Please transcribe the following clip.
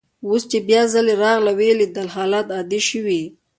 اوس چي بیا ځلې راغله او ویې لیدل، حالات عادي شوي.